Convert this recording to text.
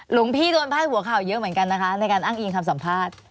หลวงพี่โดนพาดหัวข่าวเยอะเหมือนกันนะคะในการอ้างอิงคำสัมภาษณ์